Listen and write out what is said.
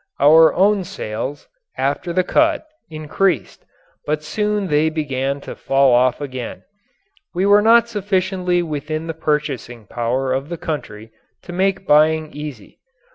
Our own sales, after the cut, increased, but soon they began to fall off again. We were not sufficiently within the purchasing power of the country to make buying easy.